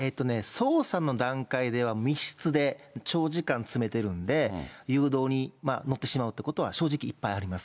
捜査の段階では密室で長時間詰めてるんで、誘導になってしまうということは正直いっぱいあります。